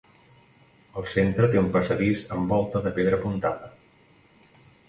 El centre té un passadís amb volta de pedra apuntada.